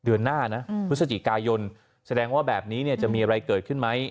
เดือนหน้านะพฤศจิกายนแสดงว่าแบบนี้จะมีอะไรเกิดขึ้นไหม